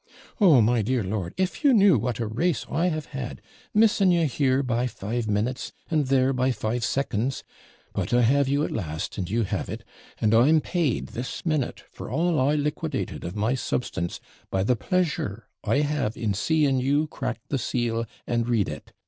'Oh, my dear lord, if you knew what a race I have had, missing you here by five minutes, and there by five seconds but I have you at last, and you have it and I'm paid this minute for all I liquidated of my substance, by the pleasure I have in seeing you crack the seal and read it.